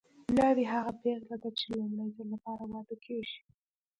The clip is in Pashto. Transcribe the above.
ناوې هغه پېغله ده چې د لومړي ځل لپاره واده کیږي